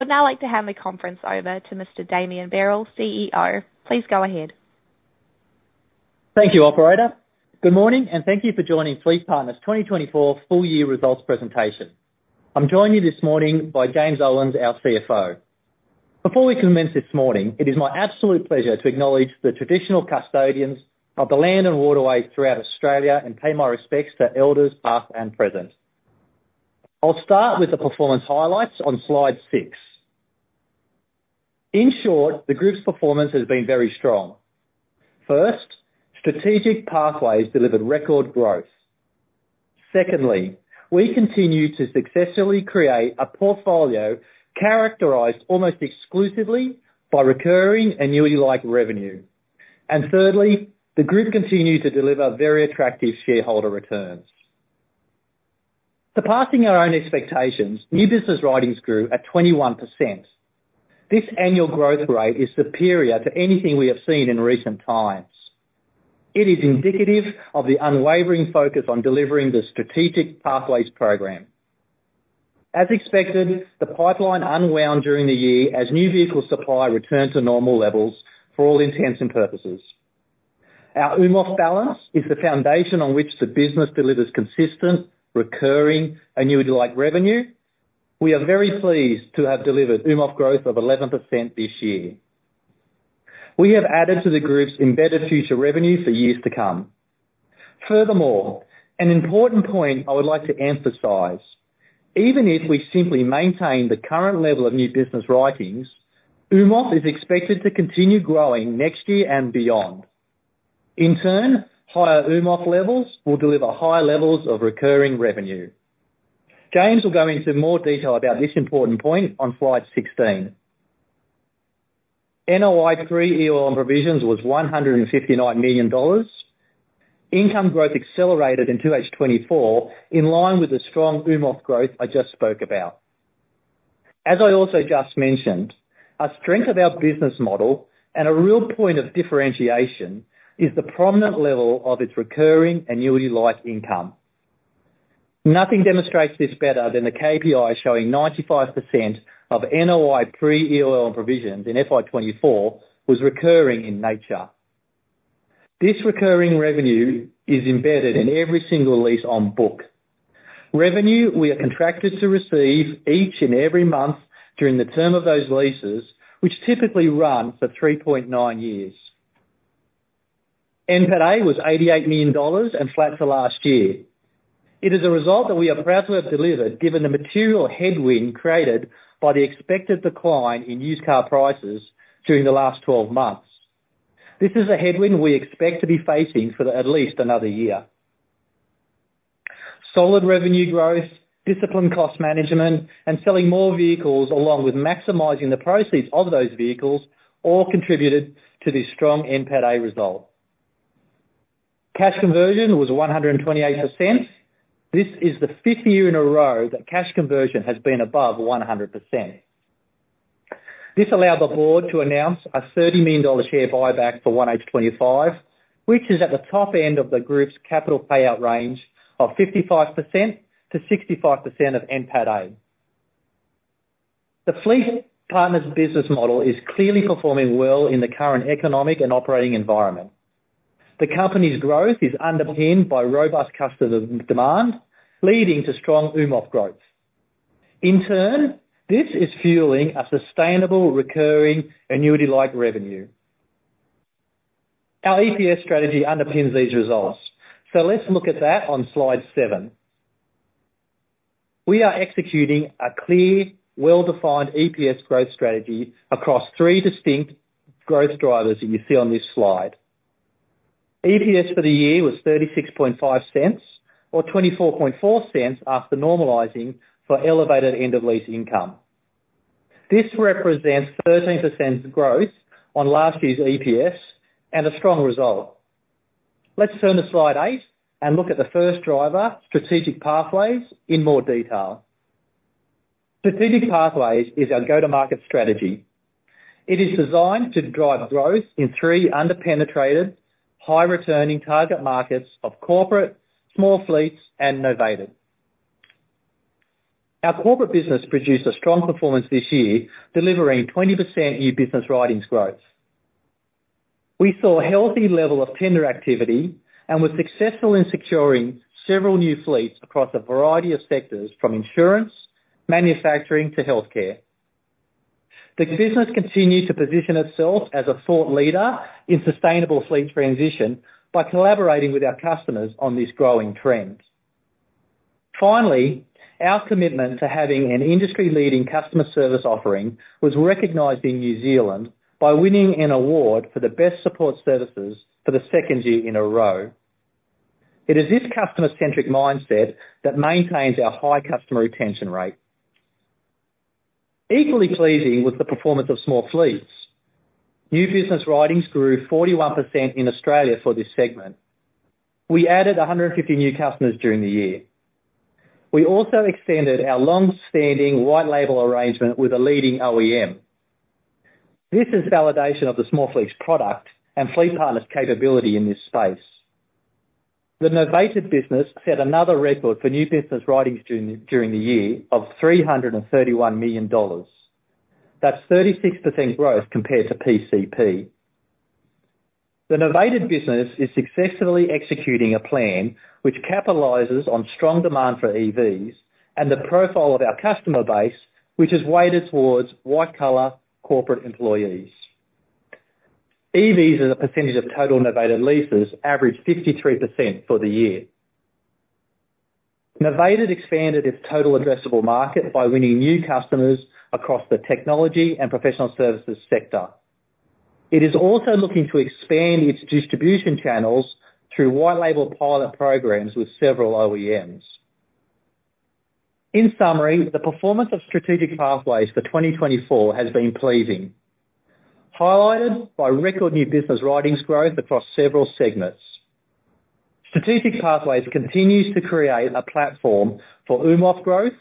I'd now like to hand the conference over to Mr. Damien Berrell, CEO. Please go ahead. Thank you, Operator. Good morning, and thank you for joining FleetPartners' 2024 full-year results presentation. I'm joined here this morning by James Owens, our CFO. Before we commence this morning, it is my absolute pleasure to acknowledge the traditional custodians of the land and waterways throughout Australia and pay my respects to elders past and present. I'll start with the performance highlights on slide six. In short, the group's performance has been very strong. First, Strategic Pathways delivered record growth. Secondly, we continue to successfully create a portfolio characterized almost exclusively by recurring annuity-like revenue. And thirdly, the group continues to deliver very attractive shareholder returns. Surpassing our own expectations, new business writings grew at 21%. This annual growth rate is superior to anything we have seen in recent times. It is indicative of the unwavering focus on delivering the Strategic Pathways program. As expected, the pipeline unwound during the year as new vehicle supply returned to normal levels for all intents and purposes. Our AUMOF balance is the foundation on which the business delivers consistent, recurring annuity-like revenue. We are very pleased to have delivered AUMOF growth of 11% this year. We have added to the group's embedded future revenue for years to come. Furthermore, an important point I would like to emphasize: even if we simply maintain the current level of new business writings, AUMOF is expected to continue growing next year and beyond. In turn, higher AUMOF levels will deliver higher levels of recurring revenue. James will go into more detail about this important point on slide 16. NOI pre-EOL and Provisions was 159 million dollars. Income growth accelerated in 2024 in line with the strong AUMOF growth I just spoke about. As I also just mentioned, a strength of our business model and a real point of differentiation is the prominent level of its recurring annuity-like income. Nothing demonstrates this better than the KPI showing 95% of NOI pre-EOL and Provisions in FY 2024 was recurring in nature. This recurring revenue is embedded in every single lease on book. Revenue we are contracted to receive each and every month during the term of those leases, which typically run for 3.9 years. NPATA was 88 million dollars and flat for last year. It is a result that we are proud to have delivered given the material headwind created by the expected decline in used car prices during the last 12 months. This is a headwind we expect to be facing for at least another year. Solid revenue growth, disciplined cost management, and selling more vehicles along with maximizing the proceeds of those vehicles all contributed to this strong NPATA result. Cash conversion was 128%. This is the fifth year in a row that cash conversion has been above 100%. This allowed the board to announce a 30 million dollar share buyback for 1H 2025, which is at the top end of the group's capital payout range of 55%-65% of NPATA. The FleetPartners business model is clearly performing well in the current economic and operating environment. The company's growth is underpinned by robust customer demand, leading to strong AUMOF growth. In turn, this is fueling a sustainable recurring annuity-like revenue. Our EPS strategy underpins these results, so let's look at that on slide seven. We are executing a clear, well-defined EPS growth strategy across three distinct growth drivers that you see on this slide. EPS for the year was 0.365 or 0.244 after normalizing for elevated end-of-lease income. This represents 13% growth on last year's EPS and a strong result. Let's turn to slide eight and look at the first driver, Strategic Pathways, in more detail. Strategic Pathways is our go-to-market strategy. It is designed to drive growth in three under-penetrated, high-returning target markets of Corporate, Small Fleets, and Novated. Our corporate business produced a strong performance this year, delivering 20% new business writings growth. We saw a healthy level of tender activity and were successful in securing several new fleets across a variety of sectors, from insurance, manufacturing, to healthcare. The business continued to position itself as a thought leader in sustainable fleet transition by collaborating with our customers on this growing trend. Finally, our commitment to having an industry-leading customer service offering was recognized in New Zealand by winning an award for the best support services for the second year in a row. It is this customer-centric mindset that maintains our high customer retention rate. Equally pleasing was the performance of Small Fleets. New business writings grew 41% in Australia for this segment. We added 150 new customers during the year. We also extended our long-standing white-label arrangement with a leading OEM. This is validation of the small fleet's product and FleetPartners' capability in this space. The novated business set another record for new business writings during the year of 331 million dollars. That's 36% growth compared to PCP. The Novated business is successfully executing a plan which capitalizes on strong demand for EVs and the profile of our customer base, which is weighted towards white-collar corporate employees. EVs as a percentage of total novated leases averaged 53% for the year. Novated expanded its total addressable market by winning new customers across the technology and professional services sector. It is also looking to expand its distribution channels through white-label pilot programs with several OEMs. In summary, the performance of Strategic Pathways for 2024 has been pleasing, highlighted by record new business writings growth across several segments. Strategic Pathways continues to create a platform for AUMOF growth,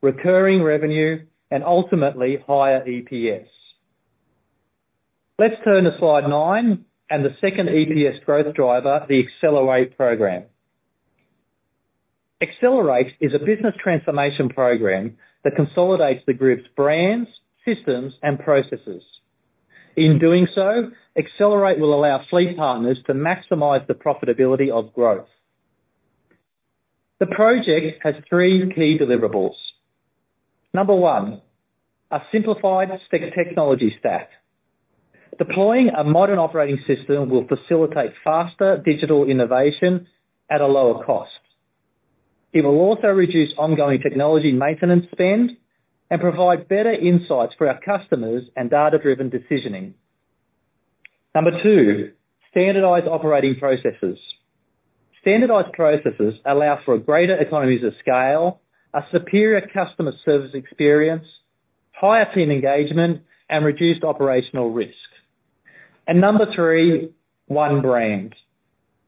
recurring revenue, and ultimately higher EPS. Let's turn to slide nine and the second EPS growth driver, the Accelerate program. Accelerate is a business transformation program that consolidates the group's brands, systems, and processes. In doing so, Accelerate will allow FleetPartners to maximize the profitability of growth. The project has three key deliverables. Number one, a simplified technology stack. Deploying a modern operating system will facilitate faster digital innovation at a lower cost. It will also reduce ongoing technology maintenance spend and provide better insights for our customers and data-driven decisioning. Number two, standardized operating processes. Standardized processes allow for greater economies of scale, a superior customer service experience, higher team engagement, and reduced operational risk. And number three, one brand.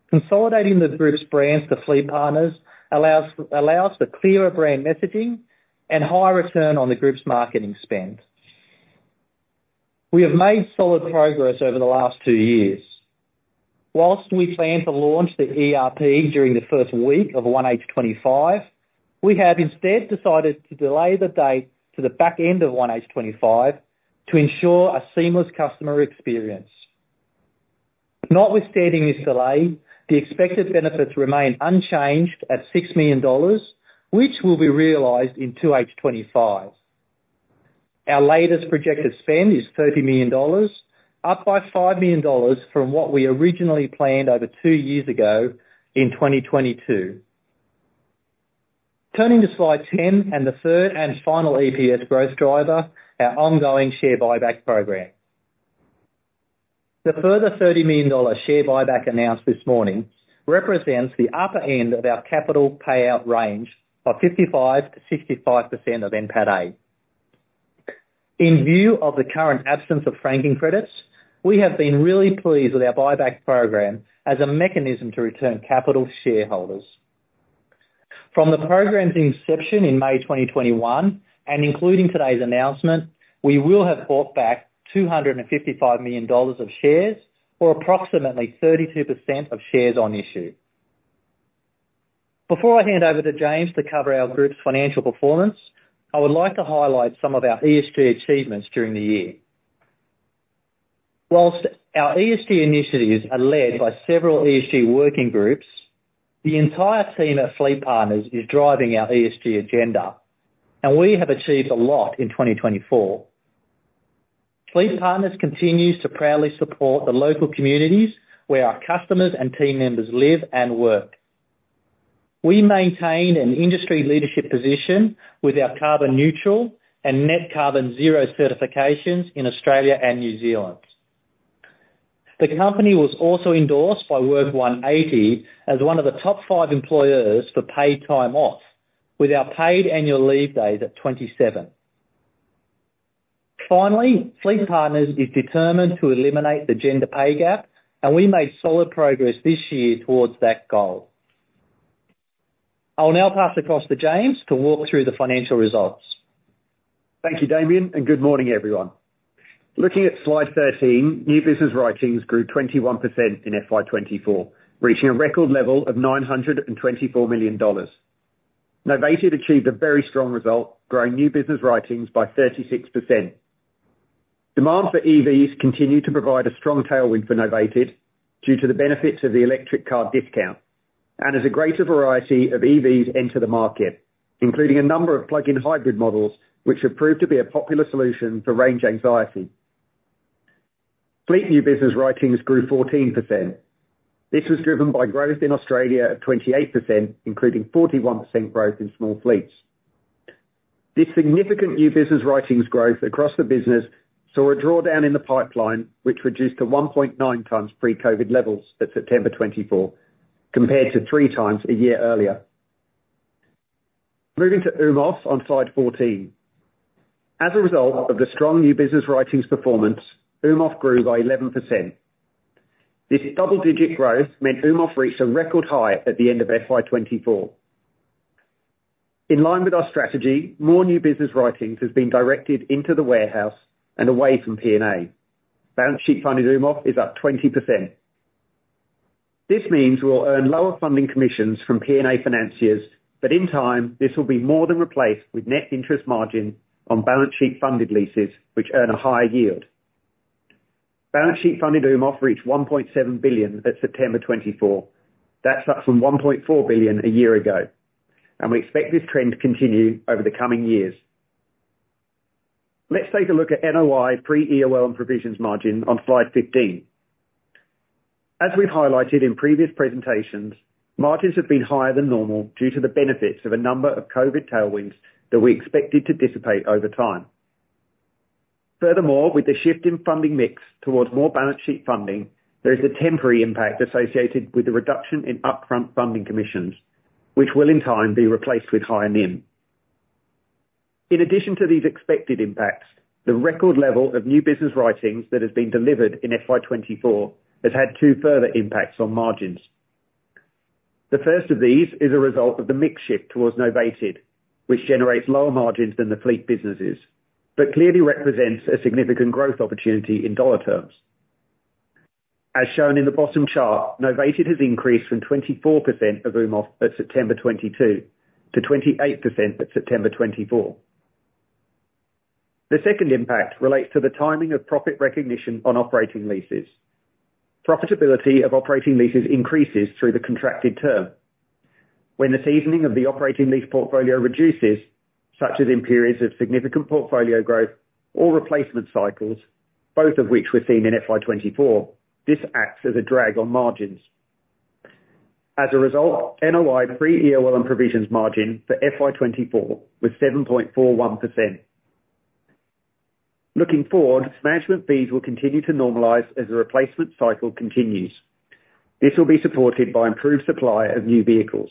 Consolidating the group's brands to FleetPartners allows for clearer brand messaging and higher return on the group's marketing spend. We have made solid progress over the last two years. While we plan to launch the ERP during the first week of 1H 2025, we have instead decided to delay the date to the back end of 1H 2025 to ensure a seamless customer experience. Notwithstanding this delay, the expected benefits remain unchanged at 6 million dollars, which will be realized in 2H 2025. Our latest projected spend is 30 million dollars, up by 5 million dollars from what we originally planned over two years ago in 2022. Turning to slide 10 and the third and final EPS growth driver, our ongoing share buyback program. The further 30 million dollar share buyback announced this morning represents the upper end of our capital payout range of 55% to 65% of NPATA. In view of the current absence of franking credits, we have been really pleased with our buyback program as a mechanism to return capital to shareholders. From the program's inception in May 2021 and including today's announcement, we will have bought back 255 million dollars of shares or approximately 32% of shares on issue. Before I hand over to James to cover our group's financial performance, I would like to highlight some of our ESG achievements during the year. While our ESG initiatives are led by several ESG working groups, the entire team at FleetPartners is driving our ESG agenda, and we have achieved a lot in 2024. FleetPartners continues to proudly support the local communities where our customers and team members live and work. We maintain an industry leadership position with our carbon neutral and net carbon zero certifications in Australia and New Zealand. The company was also endorsed by Work180 as one of the top five employers for paid time off, with our paid annual leave days at 27. Finally, FleetPartners is determined to eliminate the gender pay gap, and we made solid progress this year towards that goal. I'll now pass across to James to walk through the financial results. Thank you, Damien, and good morning, everyone. Looking at slide 13, new business writings grew 21% in FY 2024, reaching a record level of 924 million dollars. Novated achieved a very strong result, growing new business writings by 36%. Demand for EVs continued to provide a strong tailwind for Novated due to the benefits of the Electric Car Discount, and as a greater variety of EVs entered the market, including a number of plug-in hybrid models which have proved to be a popular solution for range anxiety. Fleet new business writings grew 14%. This was driven by growth in Australia of 28%, including 41% growth in Small Fleets. This significant new business writings growth across the business saw a drawdown in the pipeline, which reduced to 1.9x pre-COVID levels at September 2024, compared to three times a year earlier. Moving to AUMOF on slide 14. As a result of the strong new business writings performance, AUMOF grew by 11%. This double-digit growth meant AUMOF reached a record high at the end of FY 2024. In line with our strategy, more new business writings have been directed into the warehouse and away from P&A. Balance sheet funded AUMOF is up 20%. This means we'll earn lower funding commissions from P&A financiers, but in time, this will be more than replaced with net interest margin on balance sheet funded leases, which earn a higher yield. Balance sheet funded AUMOF reached 1.7 billion at September 24. That's up from 1.4 billion a year ago, and we expect this trend to continue over the coming years. Let's take a look at NOI pre-EOL and Provisions margin on slide 15. As we've highlighted in previous presentations, margins have been higher than normal due to the benefits of a number of COVID tailwinds that we expected to dissipate over time. Furthermore, with the shift in funding mix towards more balance sheet funding, there is a temporary impact associated with the reduction in upfront funding commissions, which will in time be replaced with higher NIM. In addition to these expected impacts, the record level of new business writings that has been delivered in FY 2024 has had two further impacts on margins. The first of these is a result of the mix shift towards Novated, which generates lower margins than the fleet businesses, but clearly represents a significant growth opportunity in dollar terms. As shown in the bottom chart, Novated has increased from 24% of AUMOF at September 2022 to 28% at September 2024. The second impact relates to the timing of profit recognition on operating leases. Profitability of operating leases increases through the contracted term. When the seasoning of the operating lease portfolio reduces, such as in periods of significant portfolio growth or replacement cycles, both of which were seen in FY 2024, this acts as a drag on margins. As a result, NOI pre-EOL and Provisions margin for FY 2024 was 7.41%. Looking forward, management fees will continue to normalize as the replacement cycle continues. This will be supported by improved supply of new vehicles.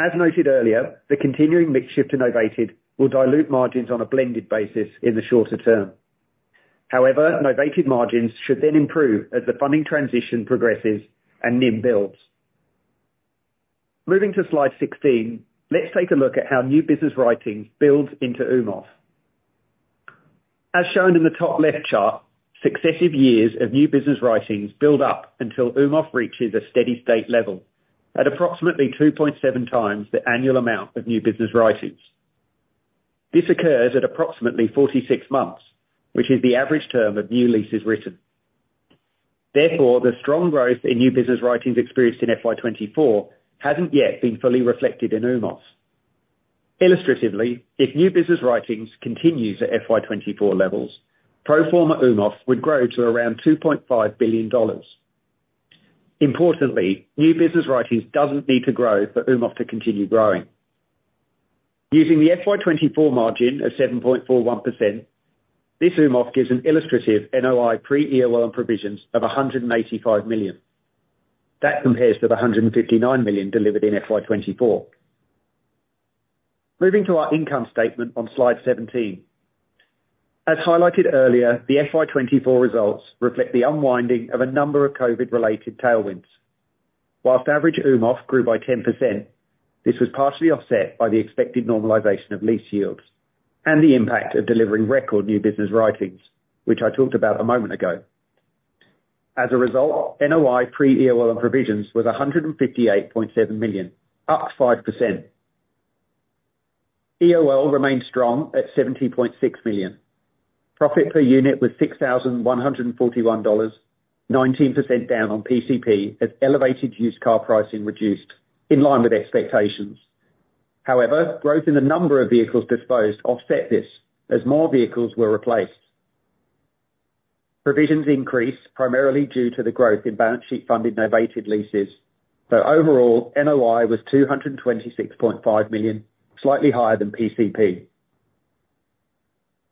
As noted earlier, the continuing mix shift to Novated will dilute margins on a blended basis in the shorter term. However, Novated margins should then improve as the funding transition progresses and NIM builds. Moving to slide 16, let's take a look at how new business writings build into AUMOF. As shown in the top left chart, successive years of new business writings build up until AUMOF reaches a steady state level at approximately 2.7 times the annual amount of new business writings. This occurs at approximately 46 months, which is the average term of new leases written. Therefore, the strong growth in new business writings experienced in FY 2024 hasn't yet been fully reflected in AUMOF. Illustratively, if new business writings continues at FY 2024 levels, pro forma AUMOF would grow to around 2.5 billion dollars. Importantly, new business writings doesn't need to grow for AUMOF to continue growing. Using the FY 2024 margin of 7.41%, this AUMOF gives an illustrative NOI pre-EOL and Provisions of 185 million. That compares to the 159 million delivered in FY 2024. Moving to our income statement on slide 17. As highlighted earlier, the FY 2024 results reflect the unwinding of a number of COVID-related tailwinds. While average AUMOF grew by 10%, this was partially offset by the expected normalization of lease yields and the impact of delivering record new business writings, which I talked about a moment ago. As a result, NOI pre-EOL and Provisions was 158.7 million, up 5%. EOL remained strong at 70.6 million. Profit per unit was 6,141 dollars, 19% down on PCP as elevated used car pricing reduced in line with expectations. However, growth in the number of vehicles disposed offset this as more vehicles were replaced. Provisions increased primarily due to the growth in balance sheet funded novated leases, though overall NOI was 226.5 million, slightly higher than PCP.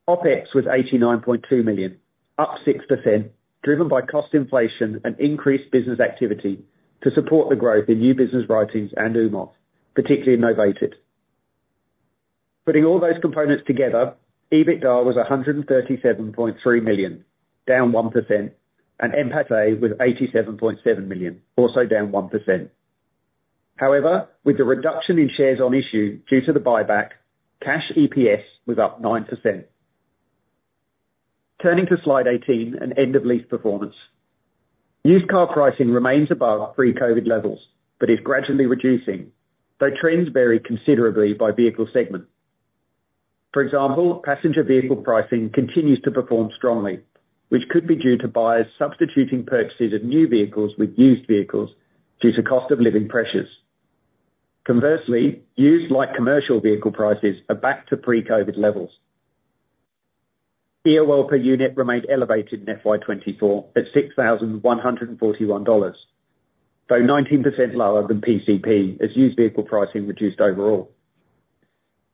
OPEX was 89.2 million, up 6%, driven by cost inflation and increased business activity to support the growth in new business writings and AUMOF, particularly Novated. Putting all those components together, EBITDA was 137.3 million, down 1%, and NPATA was 87.7 million, also down 1%. However, with the reduction in shares on issue due to the buyback, cash EPS was up 9%. Turning to slide 18 and end-of-lease performance. Used car pricing remains above pre-COVID levels but is gradually reducing, though trends vary considerably by vehicle segment. For example, passenger vehicle pricing continues to perform strongly, which could be due to buyers substituting purchases of new vehicles with used vehicles due to cost of living pressures. Conversely, used light commercial vehicle prices are back to pre-COVID levels. EOL per unit remained elevated in FY 2024 at 6,141 dollars, though 19% lower than PCP as used vehicle pricing reduced overall.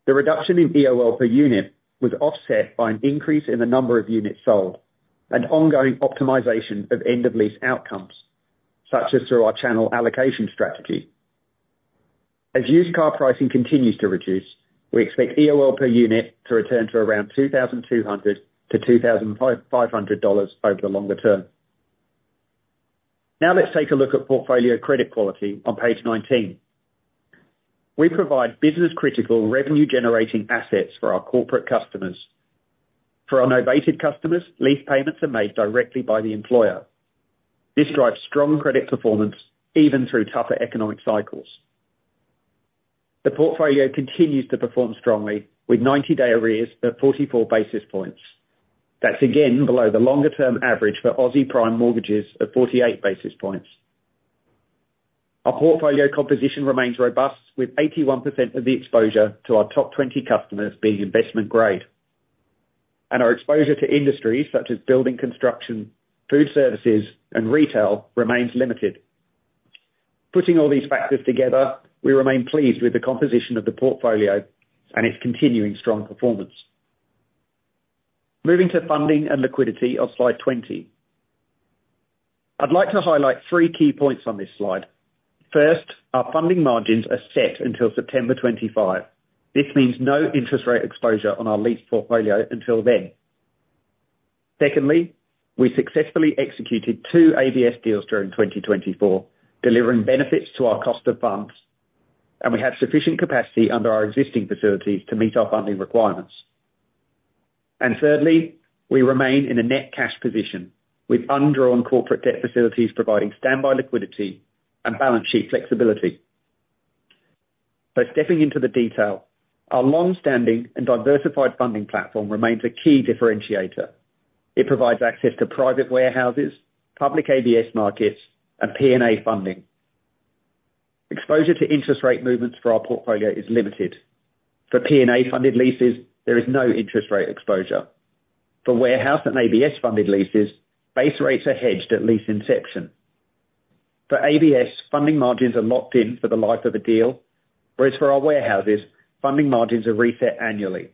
The reduction in EOL per unit was offset by an increase in the number of units sold and ongoing optimization of end-of-lease outcomes, such as through our channel allocation strategy. As used car pricing continues to reduce, we expect EOL per unit to return to around 2,200-2,500 dollars over the longer term. Now let's take a look at portfolio credit quality on page 19. We provide business-critical revenue-generating assets for our corporate customers. For our novated customers, lease payments are made directly by the employer. This drives strong credit performance even through tougher economic cycles. The portfolio continues to perform strongly with 90-day arrears of 44 basis points. That's again below the longer-term average for Aussie Prime Mortgages of 48 basis points. Our portfolio composition remains robust, with 81% of the exposure to our top 20 customers being investment grade. Our exposure to industries such as building, construction, food services, and retail remains limited. Putting all these factors together, we remain pleased with the composition of the portfolio and its continuing strong performance. Moving to funding and liquidity on slide 20. I'd like to highlight three key points on this slide. First, our funding margins are set until September 25. This means no interest rate exposure on our lease portfolio until then. Secondly, we successfully executed two ABS deals during 2024, delivering benefits to our cost of funds, and we have sufficient capacity under our existing facilities to meet our funding requirements. And thirdly, we remain in a net cash position with undrawn corporate debt facilities providing standby liquidity and balance sheet flexibility. By stepping into the detail, our long-standing and diversified funding platform remains a key differentiator. It provides access to private warehouses, public ABS markets, and P&A funding. Exposure to interest rate movements for our portfolio is limited. For P&A funded leases, there is no interest rate exposure. For warehouse and ABS funded leases, base rates are hedged at lease inception. For ABS, funding margins are locked in for the life of the deal, whereas for our warehouses, funding margins are reset annually.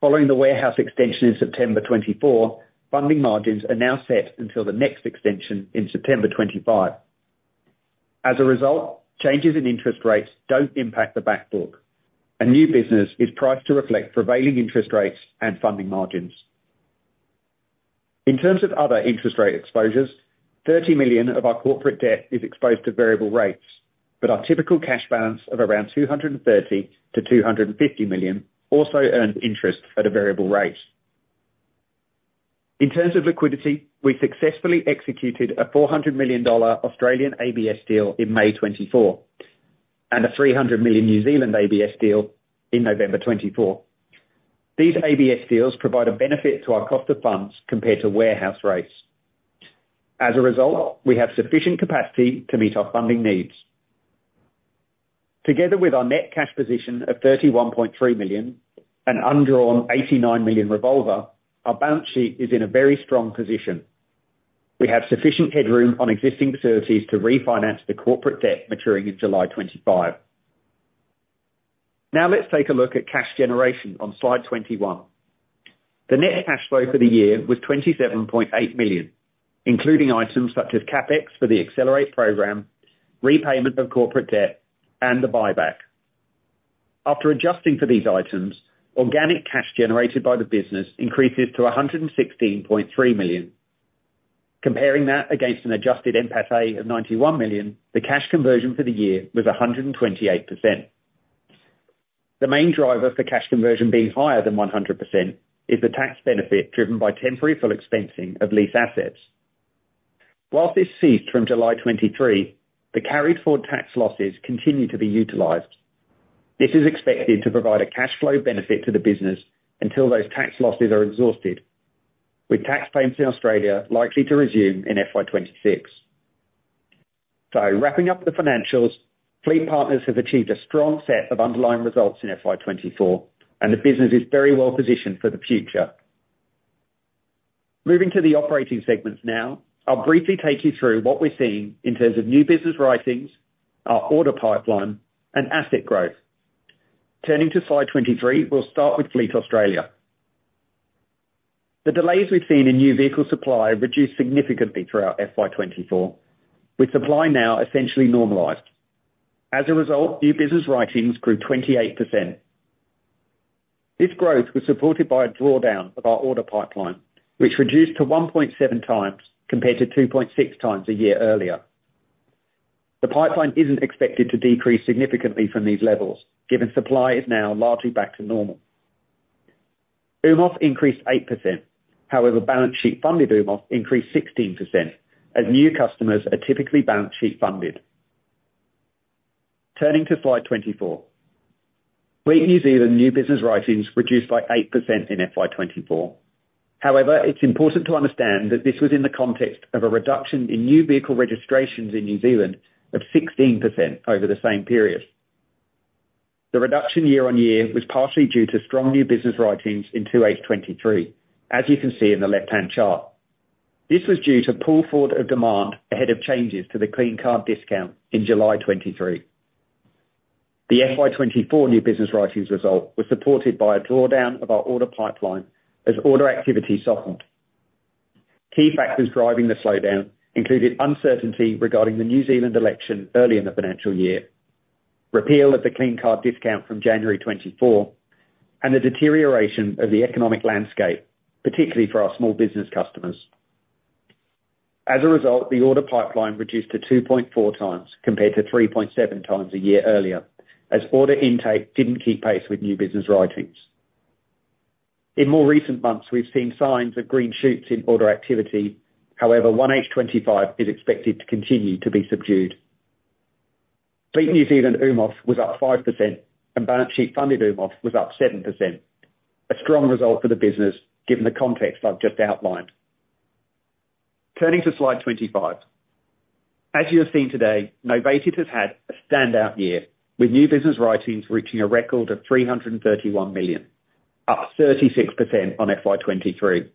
Following the warehouse extension in September 2024, funding margins are now set until the next extension in September 2025. As a result, changes in interest rates don't impact the backbook. A new business is priced to reflect prevailing interest rates and funding margins. In terms of other interest rate exposures, 30 million of our corporate debt is exposed to variable rates, but our typical cash balance of around 230 million-250 million also earns interest at a variable rate. In terms of liquidity, we successfully executed a 400 million Australian dollars Australian ABS deal in May 2024 and a AUD 300 million New Zealand ABS deal in November 2024. These ABS deals provide a benefit to our cost of funds compared to warehouse rates. As a result, we have sufficient capacity to meet our funding needs. Together with our net cash position of 31.3 million and undrawn 89 million revolver, our balance sheet is in a very strong position. We have sufficient headroom on existing facilities to refinance the corporate debt maturing in July 2025. Now let's take a look at cash generation on slide 21. The net cash flow for the year was 27.8 million, including items such as CAPEX for the Accelerate program, repayment of corporate debt, and the buyback. After adjusting for these items, organic cash generated by the business increases to 116.3 million. Comparing that against an adjusted NPATA of 91 million, the cash conversion for the year was 128%. The main driver for cash conversion being higher than 100% is the tax benefit driven by temporary full expensing of lease assets. While this ceased from July 2023, the carried forward tax losses continue to be utilized. This is expected to provide a cash flow benefit to the business until those tax losses are exhausted, with tax payments in Australia likely to resume in FY 2026, so wrapping up the financials, FleetPartners have achieved a strong set of underlying results in FY 2024, and the business is very well positioned for the future. Moving to the operating segments now, I'll briefly take you through what we're seeing in terms of new business writings, our order pipeline, and asset growth. Turning to slide 23, we'll start with Fleet Australia. The delays we've seen in new vehicle supply have reduced significantly throughout FY 2024, with supply now essentially normalized. As a result, new business writings grew 28%. This growth was supported by a drawdown of our order pipeline, which reduced to 1.7 times compared to 2.6 times a year earlier. The pipeline isn't expected to decrease significantly from these levels, given supply is now largely back to normal. AUMOF increased 8%. However, balance sheet funded AUMOF increased 16%, as new customers are typically balance sheet funded. Turning to slide 24, Fleet New Zealand new business writings reduced by 8% in FY 2024. However, it's important to understand that this was in the context of a reduction in new vehicle registrations in New Zealand of 16% over the same period. The reduction year on year was partially due to strong new business writings in 2023, as you can see in the left-hand chart. This was due to pull forward of demand ahead of changes to the Clean Car Discount in July 2023. The FY 2024 new business writings result was supported by a drawdown of our order pipeline as order activity softened. Key factors driving the slowdown included uncertainty regarding the New Zealand election early in the financial year, repeal of the Clean Car Discount from January 2024, and the deterioration of the economic landscape, particularly for our small business customers. As a result, the order pipeline reduced to 2.4 times compared to 3.7 times a year earlier, as order intake didn't keep pace with new business writings. In more recent months, we've seen signs of green shoots in order activity. However, 1H 2025 is expected to continue to be subdued. Fleet New Zealand AUMOF was up 5%, and balance sheet funded AUMOF was up 7%, a strong result for the business given the context I've just outlined. Turning to slide 25, as you have seen today, Novated has had a standout year with new business writings reaching a record of 331 million, up 36% on FY 2023.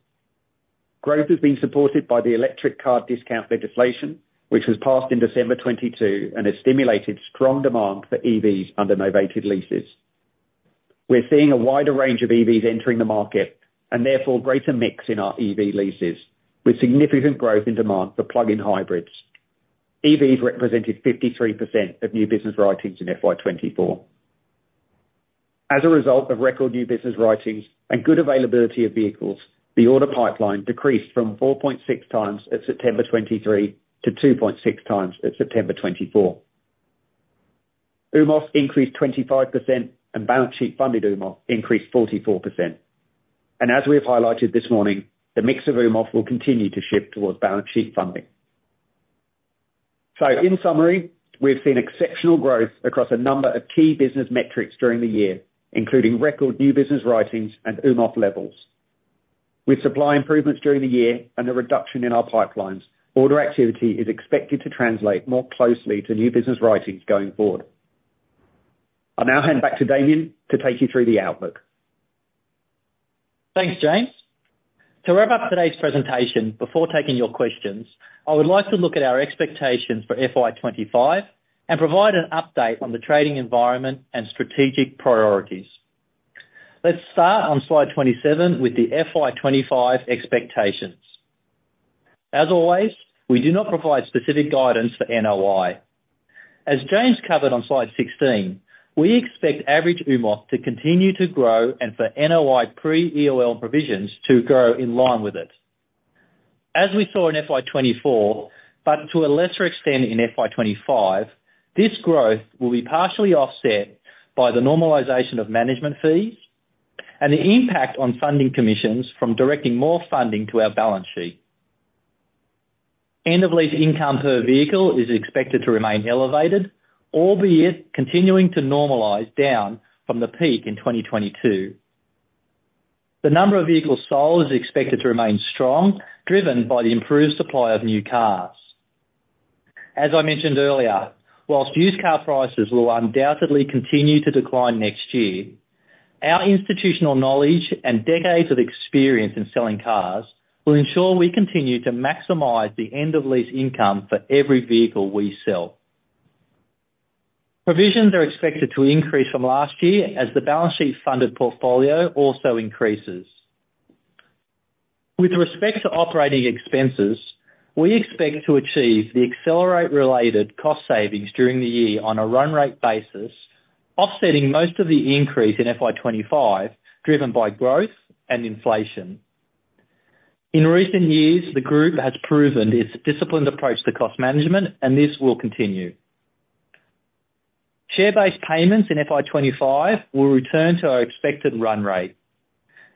Growth has been supported by the Electric Car Discount legislation, which was passed in December 2022 and has stimulated strong demand for EVs under novated leases. We're seeing a wider range of EVs entering the market and therefore greater mix in our EV leases, with significant growth in demand for plug-in hybrids. EVs represented 53% of new business writings in FY 2024. As a result of record new business writings and good availability of vehicles, the order pipeline decreased from 4.6 times at September 2023 to 2.6 times at September 2024. AUMOF increased 25%, and balance sheet funded AUMOF increased 44%. And as we have highlighted this morning, the mix of AUMOF will continue to shift towards balance sheet funding. So in summary, we've seen exceptional growth across a number of key business metrics during the year, including record new business writings and AUMOF levels. With supply improvements during the year and the reduction in our pipelines, order activity is expected to translate more closely to new business writings going forward. I'll now hand back to Damien to take you through the outlook. Thanks, James. To wrap up today's presentation before taking your questions, I would like to look at our expectations for FY 2025 and provide an update on the trading environment and strategic priorities. Let's start on slide 27 with the FY 2025 expectations. As always, we do not provide specific guidance for NOI. As James covered on slide 16, we expect average AUMOF to continue to grow and for NOI pre-EOL and Provisions to grow in line with it. As we saw in FY 2024, but to a lesser extent in FY 2025, this growth will be partially offset by the normalization of management fees and the impact on funding commissions from directing more funding to our balance sheet. End-of-lease income per vehicle is expected to remain elevated, albeit continuing to normalize down from the peak in 2022. The number of vehicles sold is expected to remain strong, driven by the improved supply of new cars. As I mentioned earlier, whilst used car prices will undoubtedly continue to decline next year, our institutional knowledge and decades of experience in selling cars will ensure we continue to maximize the end-of-lease income for every vehicle we sell. Provisions are expected to increase from last year as the balance sheet funded portfolio also increases. With respect to operating expenses, we expect to achieve the Accelerate-related cost savings during the year on a run rate basis, offsetting most of the increase in FY 2025 driven by growth and inflation. In recent years, the group has proven its disciplined approach to cost management, and this will continue. Share-based payments in FY 2025 will return to our expected run rate.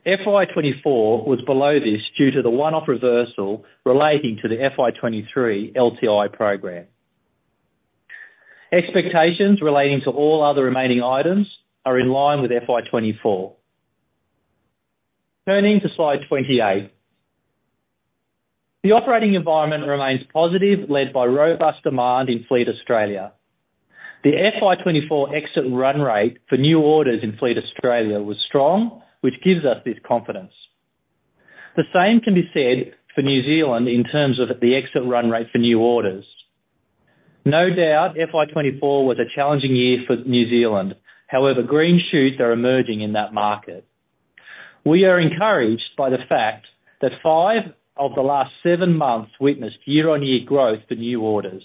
FY 2024 was below this due to the one-off reversal relating to the FY 2023 LTI program. Expectations relating to all other remaining items are in line with FY 2024. Turning to Slide 28, the operating environment remains positive, led by robust demand in Fleet Australia. The FY 2024 exit run rate for new orders in Fleet Australia was strong, which gives us this confidence. The same can be said for New Zealand in terms of the exit run rate for new orders. No doubt, FY 2024 was a challenging year for New Zealand. However, green shoots are emerging in that market. We are encouraged by the fact that 5 of the last 7 months witnessed year-on-year growth for new orders.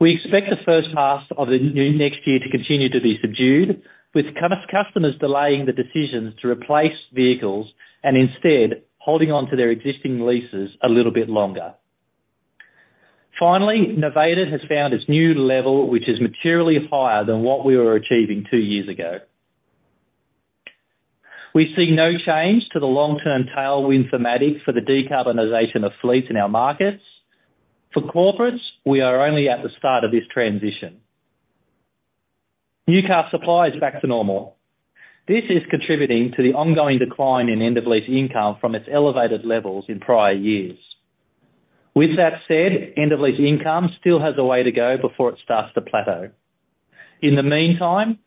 We expect the first half of the next year to continue to be subdued, with customers delaying the decisions to replace vehicles and instead holding on to their existing leases a little bit longer. Finally, Novated has found its new level, which is materially higher than what we were achieving two years ago. We see no change to the long-term tailwind thematic for the decarbonization of fleets in our markets. For corporates, we are only at the start of this transition. New car supply is back to normal. This is contributing to the ongoing decline in end-of-lease income from its elevated levels in prior years. With that said, end-of-lease income still has a way to go before it starts to plateau. In the meantime,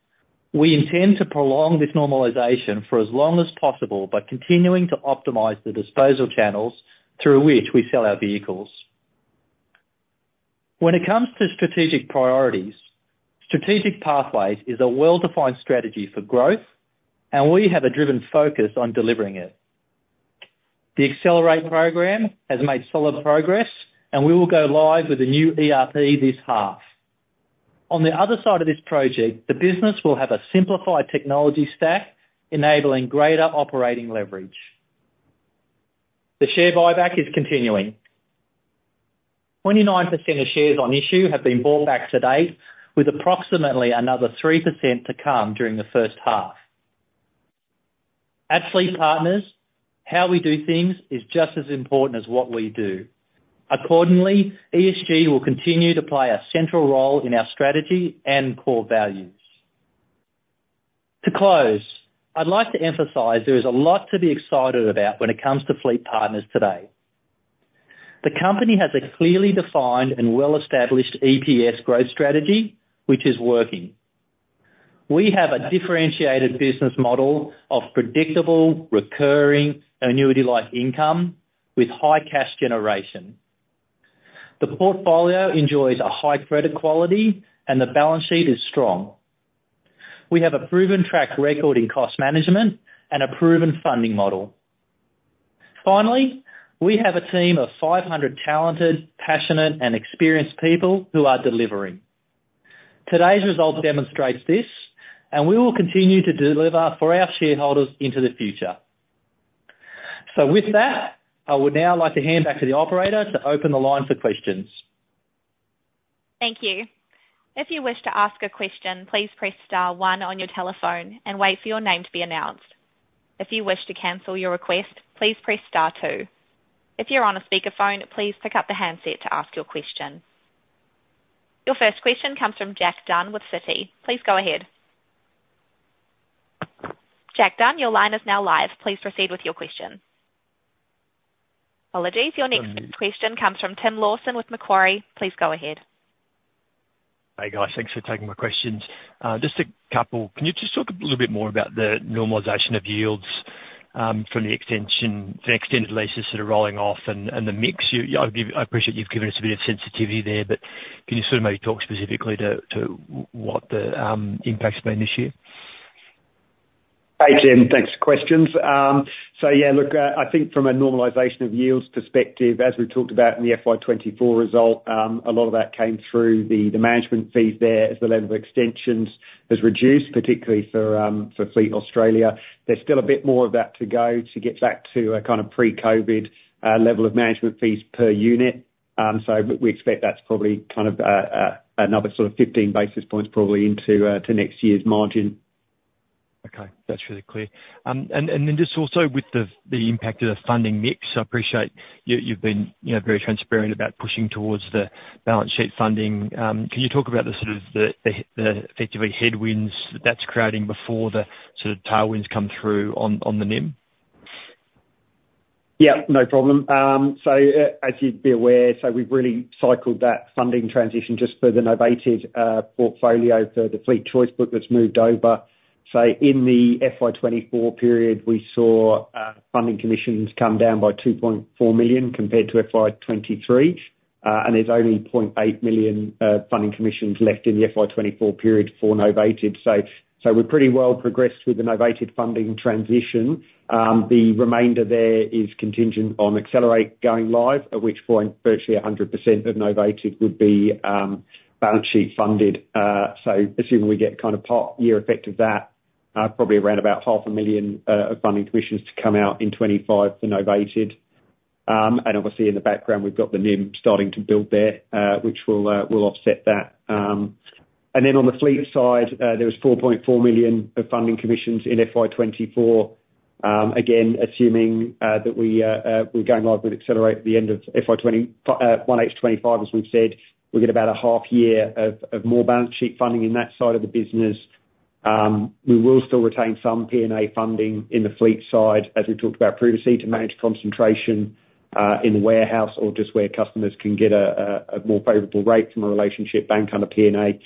we intend to prolong this normalization for as long as possible by continuing to optimize the disposal channels through which we sell our vehicles. When it comes to strategic priorities, Strategic Pathways is a well-defined strategy for growth, and we have a driven focus on delivering it. The Accelerate program has made solid progress, and we will go live with a new ERP this half. On the other side of this project, the business will have a simplified technology stack, enabling greater operating leverage. The share buyback is continuing. 29% of shares on issue have been bought back to date, with approximately another 3% to come during the first half. At FleetPartners, how we do things is just as important as what we do. Accordingly, ESG will continue to play a central role in our strategy and core values. To close, I'd like to emphasize there is a lot to be excited about when it comes to FleetPartners today. The company has a clearly defined and well-established EPS growth strategy, which is working. We have a differentiated business model of predictable, recurring, annuity-like income with high cash generation. The portfolio enjoys a high credit quality, and the balance sheet is strong. We have a proven track record in cost management and a proven funding model. Finally, we have a team of 500 talented, passionate, and experienced people who are delivering. Today's result demonstrates this, and we will continue to deliver for our shareholders into the future. With that, I would now like to hand back to the operator to open the line for questions. Thank you. If you wish to ask a question, please press star one on your telephone and wait for your name to be announced. If you wish to cancel your request, please press star two. If you're on a speakerphone, please pick up the handset to ask your question. Your first question comes from Jack Dunn with Citi. Please go ahead. Jack Dunn, your line is now live. Please proceed with your question. Apologies. Your next question comes from Tim Lawson with Macquarie. Please go ahead. Hey, guys. Thanks for taking my questions. Just a couple. Can you just talk a little bit more about the normalization of yields from the extended leases that are rolling off and the mix? I appreciate you've given us a bit of sensitivity there, but can you sort of maybe talk specifically to what the impact's been this year? Hey, Tim, thanks for questions. So yeah, look, I think from a normalization of yields perspective, as we've talked about in the FY 2024 result, a lot of that came through the management fees there as the level of extensions has reduced, particularly for Fleet Australia. There's still a bit more of that to go to get back to a kind of pre-COVID level of management fees per unit. So we expect that's probably kind of another sort of 15 basis points probably into next year's margin. Okay. That's really clear. And then just also with the impact of the funding mix, I appreciate you've been very transparent about pushing towards the balance sheet funding. Can you talk about the sort of the effectively headwinds that that's creating before the sort of tailwinds come through on the NIM? Yeah, no problem. So as you'd be aware, so we've really cycled that funding transition just for the Novated portfolio for the FleetChoice book that's moved over. So in the FY 2024 period, we saw funding commissions come down by 2.4 million compared to FY 2023, and there's only 0.8 million funding commissions left in the FY 2024 period for Novated. So we're pretty well progressed with the Novated funding transition. The remainder there is contingent on Accelerate going live, at which point virtually 100% of Novated would be balance sheet funded. So assuming we get kind of part year effect of that, probably around about 0.5 million of funding commissions to come out in 2025 for Novated. Obviously, in the background, we've got the NIM starting to build there, which will offset that. Then on the fleet side, there was 4.4 million of funding commissions in FY 2024. Again, assuming that we're going live with Accelerate at the end of FY 2025, as we've said, we're going to have about a half-year of more balance sheet funding in that side of the business. We will still retain some P&A funding in the fleet side, as we talked about previously, to manage concentration in the warehouse or just where customers can get a more favorable rate from a relationship bank under P&A.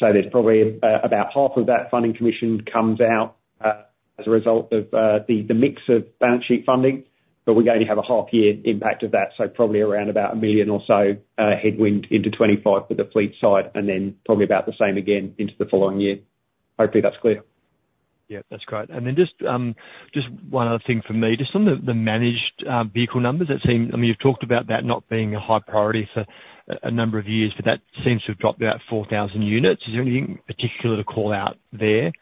So there's probably about half of that funding commission comes out as a result of the mix of balance sheet funding, but we only have a half-year impact of that, so probably around about 1 million or so headwind into 2025 for the fleet side, and then probably about the same again into the following year. Hopefully, that's clear. Yeah, that's great. And then just one other thing for me. Just on the managed vehicle numbers, it seems, I mean, you've talked about that not being a high priority for a number of years, but that seems to have dropped about 4,000 units. Is there anything particular to call out there?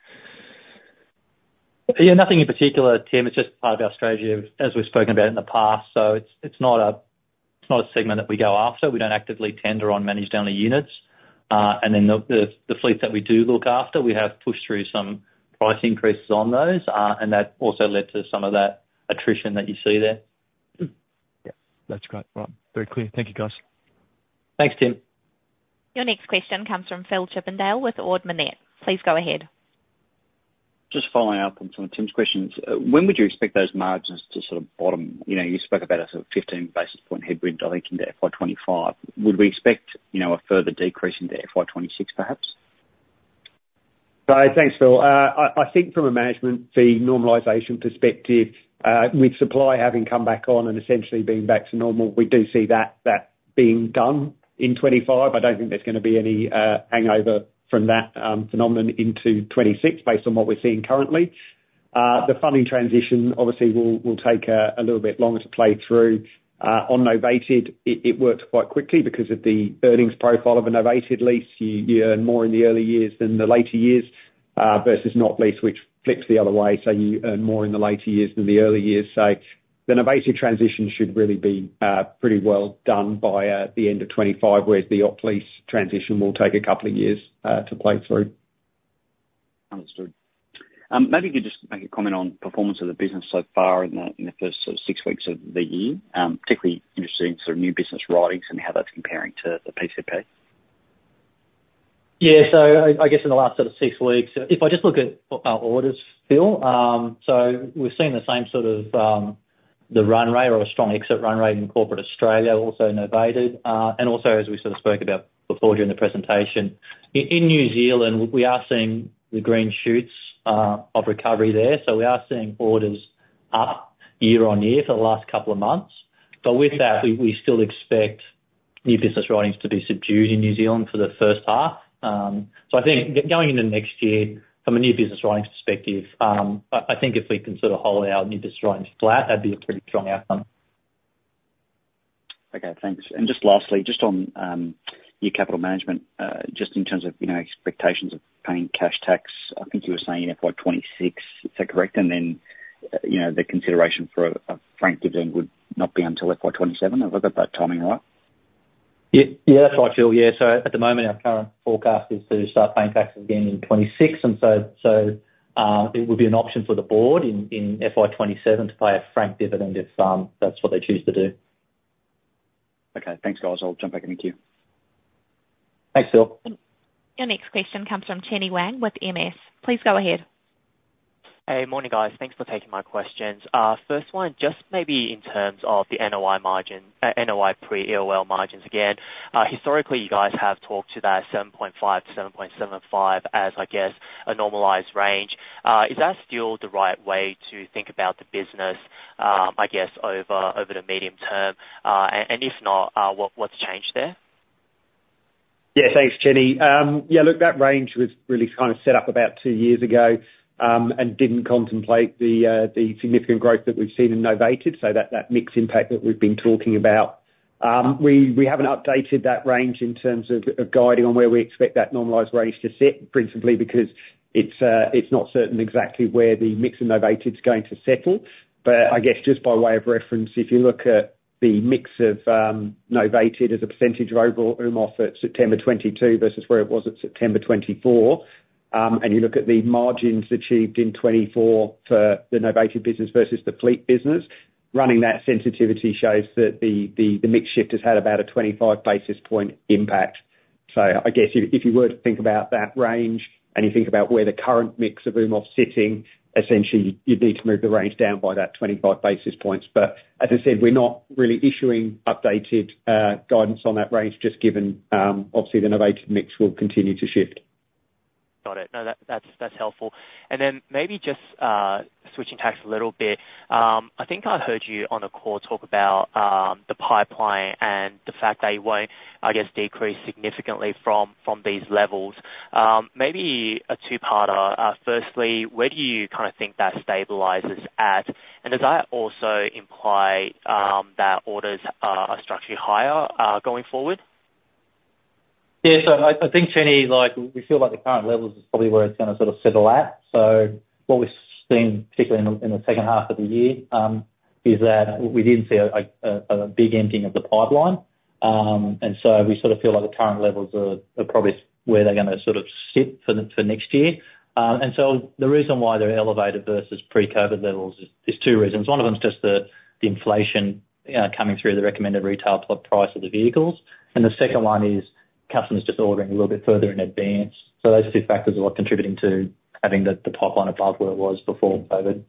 Yeah, nothing in particular, Tim. It's just part of Australia, as we've spoken about in the past. So it's not a segment that we go after. We don't actively tender on managed only units. And then the fleets that we do look after, we have pushed through some price increases on those, and that also led to some of that attrition that you see there. Yeah, that's great. Right. Very clear. Thank you, guys. Thanks, Tim. Your next question comes from Phil Chippendale with Ord Minnett. Please go ahead. Just following up on some of Tim's questions. When would you expect those margins to sort of bottom? You spoke about a sort of 15 basis points headwind, I think, into FY 2025. Would we expect a further decrease into FY 2026, perhaps? Thanks, Phil. I think from a management fee normalization perspective, with supply having come back on and essentially being back to normal, we do see that being done in 2025. I don't think there's going to be any hangover from that phenomenon into 2026 based on what we're seeing currently. The funding transition, obviously, will take a little bit longer to play through. On Novated, it worked quite quickly because of the earnings profile of a Novated lease. You earn more in the early years than the later years versus an OP lease, which flips the other way. So you earn more in the later years than the early years. So the Novated transition should really be pretty well done by the end of 2025, whereas the OP lease transition will take a couple of years to play through. Understood. Maybe you could just make a comment on performance of the business so far in the first sort of 6 weeks of the year. Particularly interesting sort of new business writings and how that's comparing to the PCP. Yeah, so I guess in the last sort of 6 weeks, if I just look at our orders, Phil, so we've seen the same sort of run rate or a strong exit run rate in corporate Australia, also in Novated. And also, as we sort of spoke about before during the presentation, in New Zealand, we are seeing the green shoots of recovery there. So we are seeing orders up year on year for the last couple of months. But with that, we still expect new business writings to be subdued in New Zealand for the first half. So I think going into next year from a new business writings perspective, I think if we can sort of hold our new business writings flat, that'd be a pretty strong outcome. Okay, thanks. Just lastly, just on new capital management, just in terms of expectations of paying cash tax, I think you were saying in FY 2026, is that correct? And then the consideration for a franked dividend would not be until FY 2027. Have I got that timing right? Yeah, that's right, Phil. Yeah. So at the moment, our current forecast is to start paying taxes again in 2026. And so it would be an option for the board in FY 2027 to pay a franked dividend if that's what they choose to do. Okay. Thanks, guys. I'll jump back in and queue. Thanks, Phil. Your next question comes from Chenny Wang with MS. Please go ahead. Hey, morning, guys. Thanks for taking my questions. First one, just maybe in terms of the NOI pre-EOL margins again. Historically, you guys have talked to that 7.5%-7.75% as, I guess, a normalized range. Is that still the right way to think about the business, I guess, over the medium term? And if not, what's changed there? Yeah, thanks, Chenny. Yeah, look, that range was really kind of set up about two years ago and didn't contemplate the significant growth that we've seen in Novated, so that mixed impact that we've been talking about. We haven't updated that range in terms of guiding on where we expect that normalized range to sit, principally because it's not certain exactly where the mix in Novated is going to settle. But I guess just by way of reference, if you look at the mix of Novated as a percentage of overall AUMOF at September 2022 versus where it was at September 2024, and you look at the margins achieved in 2024 for the Novated business versus the fleet business, running that sensitivity shows that the mix shift has had about a 25 basis point impact. So I guess if you were to think about that range and you think about where the current mix of AUMOF's sitting, essentially, you'd need to move the range down by that 25 basis points. But as I said, we're not really issuing updated guidance on that range, just given obviously the Novated mix will continue to shift. Got it. No, that's helpful. And then maybe just switching tacks a little bit. I think I heard you on the call talk about the pipeline and the fact that it won't, I guess, decrease significantly from these levels. Maybe a two-parter. Firstly, where do you kind of think that stabilizes at? And does that also imply that orders are structurally higher going forward? Yeah, so I think, Chenny, we feel like the current levels is probably where it's going to sort of settle at. So what we've seen, particularly in the second half of the year, is that we didn't see a big emptying of the pipeline. And so we sort of feel like the current levels are probably where they're going to sort of sit for next year. And so the reason why they're elevated versus pre-COVID levels is two reasons. One of them is just the inflation coming through the recommended retail price of the vehicles. The second one is customers just ordering a little bit further in advance. Those two factors are contributing to having the pipeline above where it was before COVID.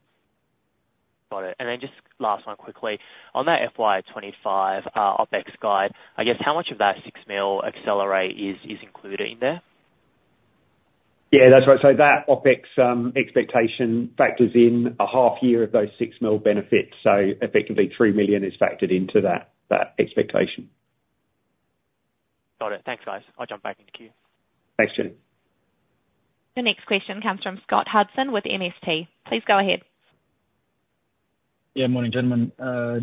Got it. Then just last one quickly. On that FY 2025 OPEX guide, I guess how much of that 6 million Accelerate is included in there? Yeah, that's right. That OPEX expectation factors in a half-year of those 6 million benefits. Effectively, 3 million is factored into that expectation. Got it. Thanks, guys. I'll jump back in the queue. Thanks, Chenny. Your next question comes from Scott Hudson with MST Financial. Please go ahead. Yeah, morning, gentlemen.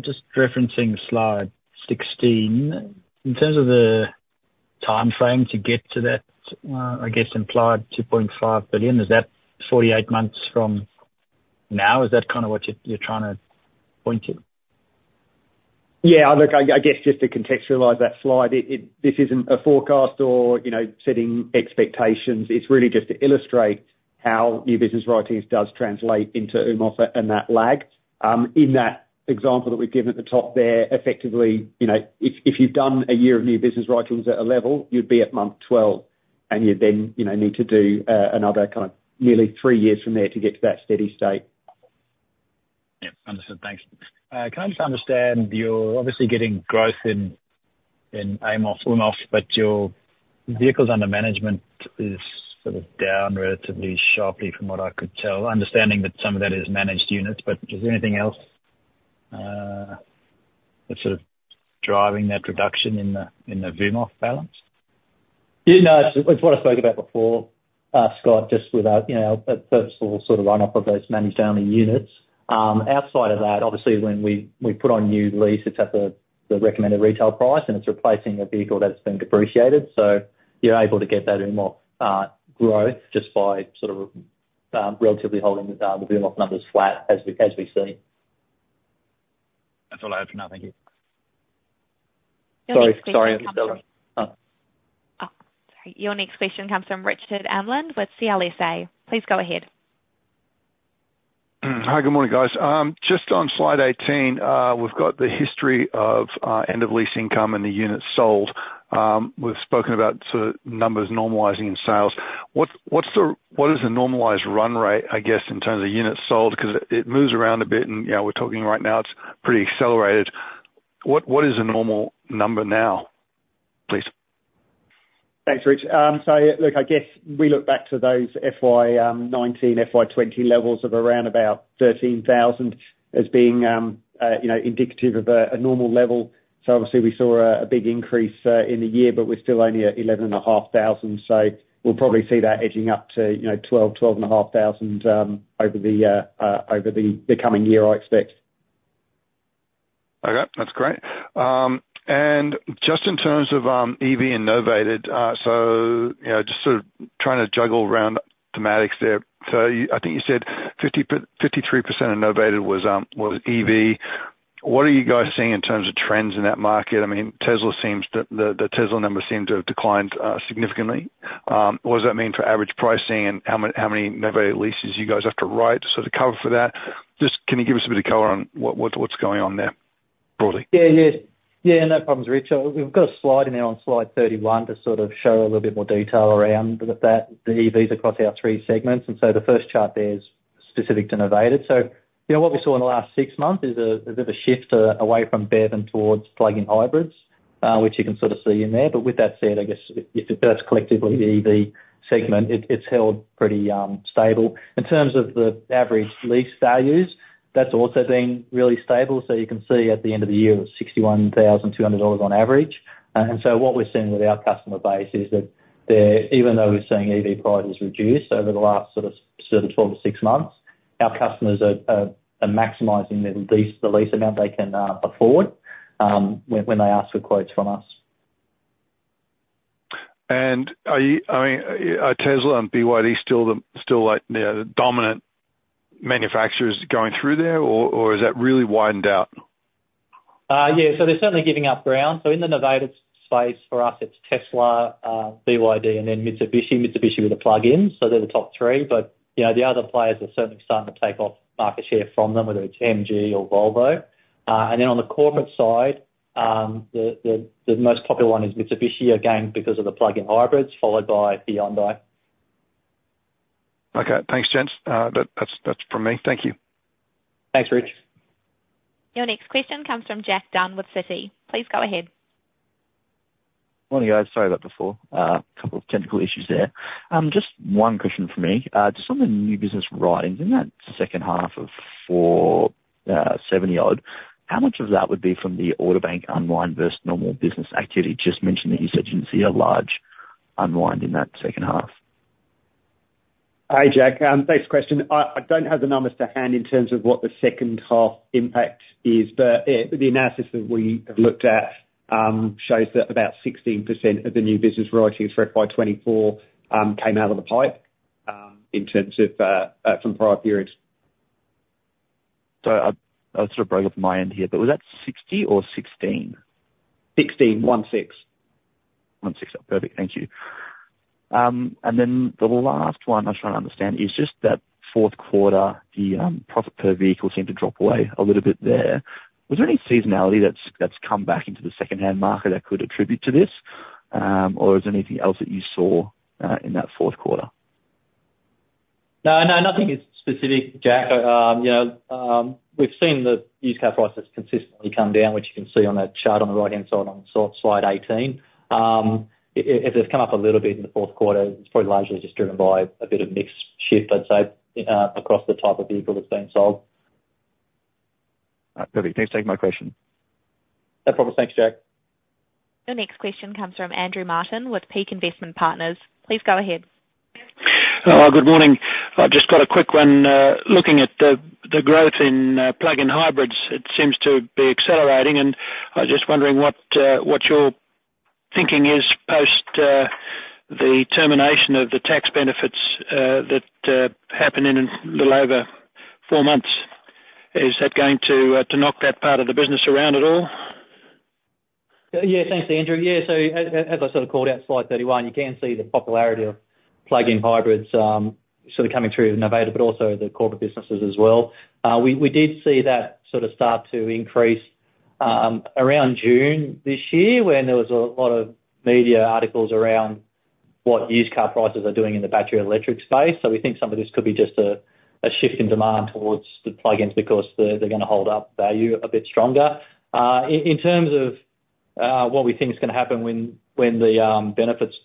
Just referencing slide 16, in terms of the timeframe to get to that, I guess, implied 2.5 billion, is that 48 months from now? Is that kind of what you're trying to point to? Yeah, look, I guess just to contextualize that slide, this isn't a forecast or setting expectations. It's really just to illustrate how new business writings does translate into AUMOF and that lag. In that example that we've given at the top there, effectively, if you've done a year of new business writings at a level, you'd be at month 12, and you then need to do another kind of nearly three years from there to get to that steady state. Yeah, understood. Thanks. Can I just understand you're obviously getting growth in AUMOF, AUMOF, but your vehicles under management is sort of down relatively sharply from what I could tell, understanding that some of that is managed units. But is there anything else that's sort of driving that reduction in the AUMOF balance? Yeah, no, it's what I spoke about before, Scott, just with a purposeful sort of run-off of those managed only units. Outside of that, obviously, when we put on new lease, it's at the recommended retail price, and it's replacing a vehicle that's been depreciated. So you're able to get that AUMOF growth just by sort of relatively holding the AUMOF numbers flat as we see. That's all I had for now. Thank you. Sorry, sorry. Sorry. Your next question comes from Richard Amland with CLSA. Please go ahead. Hi, good morning, guys. Just on slide 18, we've got the history of end-of-lease income and the units sold. We've spoken about sort of numbers normalizing in sales. What is the normalized run rate, I guess, in terms of units sold? Because it moves around a bit, and we're talking right now, it's pretty accelerated. What is the normal number now, please? Thanks, Richard. So look, I guess we look back to those FY 2019, FY 2020 levels of around about 13,000 as being indicative of a normal level. So obviously, we saw a big increase in the year, but we're still only at 11,500. So we'll probably see that edging up to 12,000-12,500 over the coming year, I expect. Okay, that's great. And just in terms of EV and Novated, so just sort of trying to juggle around thematics there. So I think you said 53% of Novated was EV. What are you guys seeing in terms of trends in that market? I mean, Tesla seems that the Tesla number seemed to have declined significantly. What does that mean for average pricing and how many Novated leases you guys have to write to sort of cover for that? Just, can you give us a bit of color on what's going on there broadly? Yeah, yeah. Yeah, no problems, Richard. We've got a slide in there on slide 31 to sort of show a little bit more detail around the EVs across our three segments. And so the first chart there is specific to Novated. So what we saw in the last six months is a bit of a shift away from BEV and towards plug-in hybrids, which you can sort of see in there. But with that said, I guess if it's collectively the EV segment, it's held pretty stable. In terms of the average lease values, that's also been really stable. So you can see at the end of the year, it's 61,200 dollars on average. And so what we're seeing with our customer base is that even though we're seeing EV prices reduce over the last sort of 12 to 6 months, our customers are maximizing the lease amount they can afford when they ask for quotes from us. And I mean, are Tesla and BYD still the dominant manufacturers going through there, or has that really widened out? Yeah, so they're certainly giving up ground. So in the Novated space for us, it's Tesla, BYD, and then Mitsubishi. Mitsubishi with the plug-ins, so they're the top three. But the other players are certainly starting to take off market share from them, whether it's MG or Volvo. And then on the corporate side, the most popular one is Mitsubishi, again, because of the plug-in hybrids, followed by Hyundai. Okay, thanks, gents. That's from me. Thank you. Thanks, Richard. Your next question comes from Jack Dunn with Citi. Please go ahead. Morning, guys. Sorry about the fault. A couple of technical issues there. Just one question from me. Just on the new business writings in that second half of FY 2024, how much of that would be from the order bank unwind versus normal business activity? Just mentioned that you said you didn't see a large unwind in that second half. Hi, Jack. Thanks for the question. I don't have the numbers to hand in terms of what the second half impact is, but the analysis that we have looked at shows that about 16% of the new business writings for FY 2024 came out of the pipeline in terms of from prior periods. So I'll sort of break it up on my end here, but was that 60 or 16? 16, one six. One six. Perfect. Thank you. And then the last one I'm trying to understand is just that fourth quarter, the profit per vehicle seemed to drop away a little bit there. Was there any seasonality that's come back into the secondhand market that could attribute to this, or is there anything else that you saw in that fourth quarter? No, no, nothing specific, Jack. We've seen the used car prices consistently come down, which you can see on that chart on the right-hand side on slide 18. If it's come up a little bit in the fourth quarter, it's probably largely just driven by a bit of mix shift, I'd say, across the type of vehicle that's being sold. Perfect. Thanks for taking my question. No problem. Thanks, Jack. Your next question comes from Andrew Martin with Peak Investment Partners. Please go ahead. Good morning. I just got a quick one. Looking at the growth in plug-in hybrids, it seems to be accelerating, and I was just wondering what your thinking is post the termination of the tax benefits that happened in a little over four months. Is that going to knock that part of the business around at all? Yeah, thanks, Andrew. Yeah, so as I sort of called out slide 31, you can see the popularity of plug-in hybrids sort of coming through in Novated, but also the corporate businesses as well. We did see that sort of start to increase around June this year when there was a lot of media articles around what used car prices are doing in the battery electric space, so we think some of this could be just a shift in demand towards the plug-ins because they're going to hold up value a bit stronger. In terms of what we think is going to happen when the benefits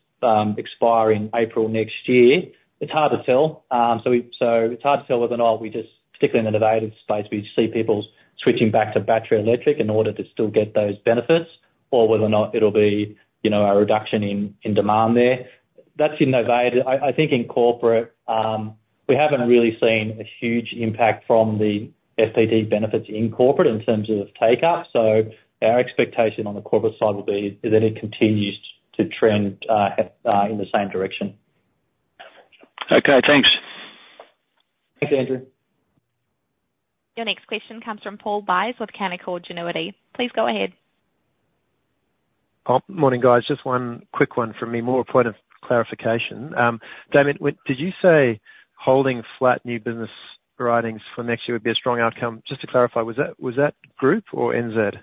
expire in April next year, it's hard to tell. So it's hard to tell whether or not we just, particularly in the Novated space, we see people switching back to battery electric in order to still get those benefits, or whether or not it'll be a reduction in demand there. That's in Novated. I think in corporate, we haven't really seen a huge impact from the FBT benefits in corporate in terms of take-up. So our expectation on the corporate side will be that it continues to trend in the same direction. Okay, thanks. Thanks, Andrew. Your next question comes from Paul Buys with Canaccord Genuity. Please go ahead. Morning, guys. Just one quick one from me, more point of clarification. Damien, did you say holding flat new business writings for next year would be a strong outcome? Just to clarify, was that group or NZ?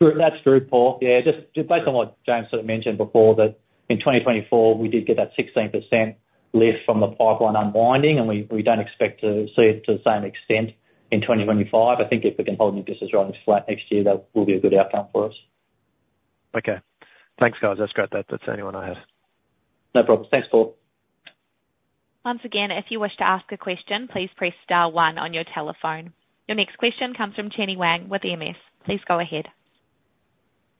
That's group, Paul. Yeah, just based on what James sort of mentioned before, that in 2024, we did get that 16% lift from the pipeline unwinding, and we don't expect to see it to the same extent in 2025. I think if we can hold new business writings flat next year, that will be a good outcome for us. Okay. Thanks, guys. That's great. That's the only one I had. No problem. Thanks, Paul. Once again, if you wish to ask a question, please press star one on your telephone. Your next question comes from Chenny Wang with Morgan Stanley. Please go ahead.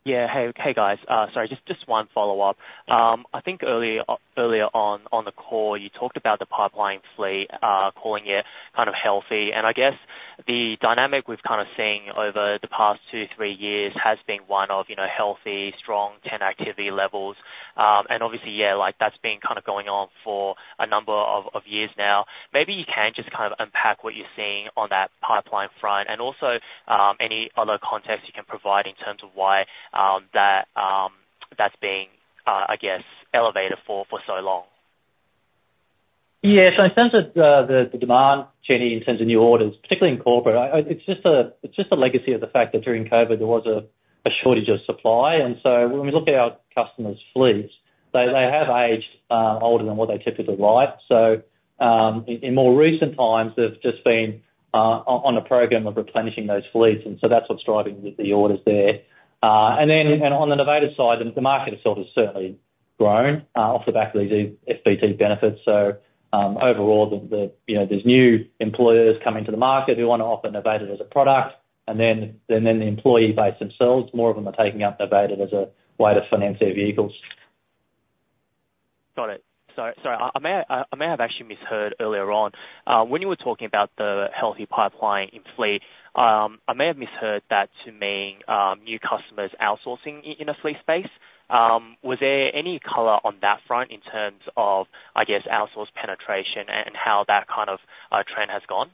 Yeah, hey, guys. Sorry, just one follow-up. I think earlier on the call, you talked about the pipeline fleet, calling it kind of healthy, and I guess the dynamic we've kind of seen over the past two, three years has been one of healthy, strong intake activity levels. Obviously, yeah, that's been kind of going on for a number of years now. Maybe you can just kind of unpack what you're seeing on that pipeline front and also any other context you can provide in terms of why that's being, I guess, elevated for so long. Yeah, so in terms of the demand, Chenny, in terms of new orders, particularly in corporate, it's just a legacy of the fact that during COVID, there was a shortage of supply, and so when we look at our customers' fleets, they have aged older than what they typically like. In more recent times, they've just been on a program of replenishing those fleets. And so that's what's driving the orders there. And then on the Novated side, the market itself has certainly grown off the back of these FBT benefits. So overall, there's new employers coming to the market who want to offer Novated as a product. And then the employee base themselves, more of them are taking up Novated as a way to finance their vehicles. Got it. Sorry, I may have actually misheard earlier on. When you were talking about the healthy pipeline in fleet, I may have misheard that to mean new customers outsourcing in a fleet space. Was there any color on that front in terms of, I guess, outsource penetration and how that kind of trend has gone?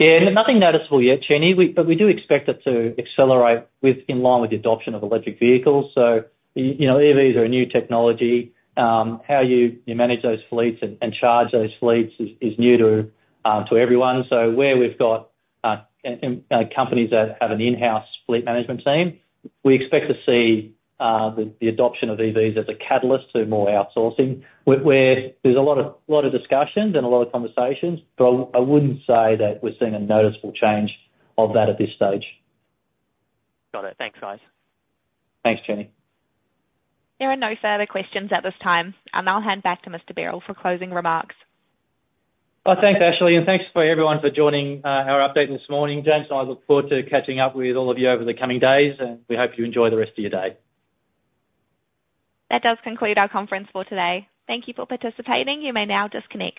Yeah, nothing noticeable yet, Chenny. But we do expect it to accelerate in line with the adoption of electric vehicles. So EVs are a new technology. How you manage those fleets and charge those fleets is new to everyone. So where we've got companies that have an in-house fleet management team, we expect to see the adoption of EVs as a catalyst to more outsourcing, where there's a lot of discussions and a lot of conversations. But I wouldn't say that we're seeing a noticeable change of that at this stage. Got it. Thanks, guys. Thanks, Chenny. There are no further questions at this time. And I'll hand back to Mr. Berrell for closing remarks. Thanks, Ashley. And thanks for everyone for joining our update this morning. James, I look forward to catching up with all of you over the coming days. And we hope you enjoy the rest of your day. That does conclude our conference for today. Thank you for participating. You may now disconnect.